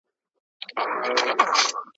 ور آزاد به وي مزلونه `